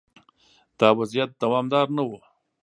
دا وضعیت دوامدار نه و.